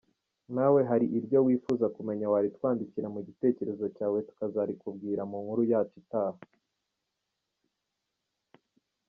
Nawe hari iryo wifuza kumenya waritwandikira mu gitekerezo cyawe tkazarikubwira mu nkuru yacu itaha.